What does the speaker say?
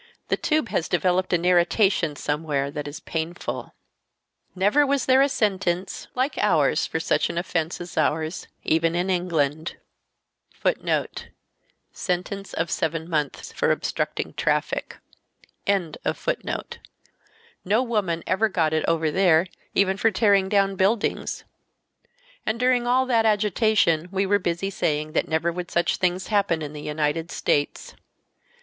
The tube has developed an irritation somewhere that is painful. "Never was there a sentence like ours for such an offense as ours, even in England. No woman ever got it over there even for tearing down buildings. And during all that agitation we were busy saying that never would such things happen in the United States.